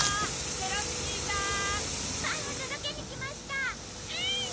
チェロヒキーさん？